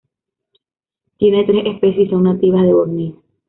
Tiene tres especies y son nativas de Borneo.